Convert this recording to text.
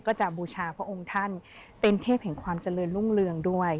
บูชาพระองค์ท่านเป็นเทพแห่งความเจริญรุ่งเรืองด้วย